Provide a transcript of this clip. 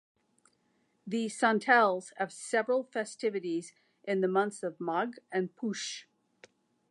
The Santals have several festivities in the months of Magh and Poush.